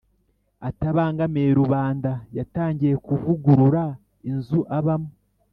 atabangamiye rubanda yatangiye kuvugurura inzu abamo